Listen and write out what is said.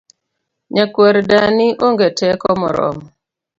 Nyakwar dani onge teko moromo